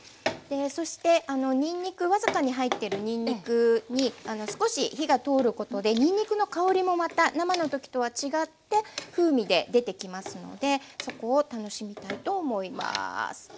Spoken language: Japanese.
そして僅かに入ってるにんにくに少し火が通ることでにんにくの香りもまた生の時とは違った風味で出てきますのでそこを楽しみたいと思います。